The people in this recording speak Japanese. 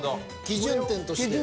基準点として。